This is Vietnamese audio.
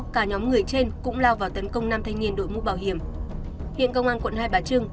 cả nhóm người trên cũng lao vào tấn công năm thanh niên đội mũ bảo hiểm hiện công an quận hai bà trưng